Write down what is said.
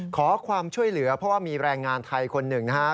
ขอความช่วยเหลือเพราะว่ามีแรงงานไทยคนหนึ่งนะฮะ